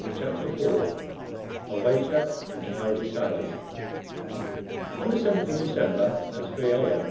CHAPTER IV A WAGER AND HOW DECIDED ON the 7th of December, at three A. M.